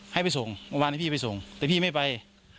ให้ไปส่งเมื่อวานให้พี่ไปส่งแต่พี่ไม่ไป